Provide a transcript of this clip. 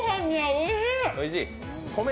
おいしい！